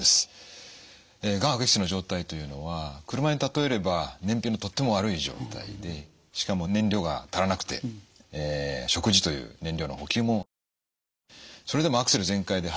がん悪液質の状態というのは車に例えれば燃費のとっても悪い状態でしかも燃料が足らなくて食事という燃料の補給もできない状態。